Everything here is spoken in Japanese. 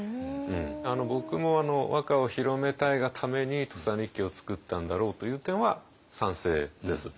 僕も和歌を広めたいがために「土佐日記」を作ったんだろうという点は賛成です。